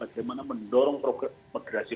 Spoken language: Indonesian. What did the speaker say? bagaimana mendorong progresi